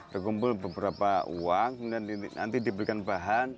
terkumpul beberapa uang kemudian nanti diberikan bahan